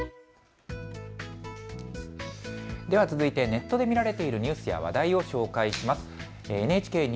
ネットで見られているニュースや話題を紹介します。